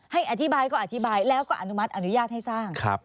ให้อธิบายก็อธิบายแล้วก็อนุมัติอนุญาตให้สร้าง